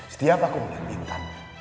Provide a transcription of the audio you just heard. siapa aku ingin minta